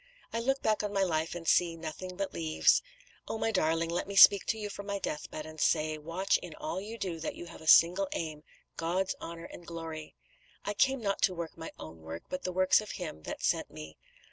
I look back on my life and see 'nothing but leaves.' Oh, my darling, let me speak to you from my deathbed, and say, watch in all you do that you have a single aim God's honour and glory. 'I came not to work my own work, but the works of Him that sent me.'